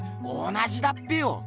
同じだっぺよ！